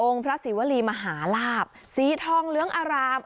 พระศิวรีมหาลาบสีทองเหลืองอาราม